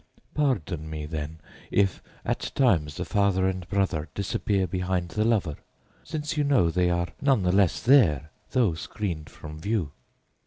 Pardon me, then, if at times the father and brother disappear behind the lover, since you know they are none the less there, though screened from view.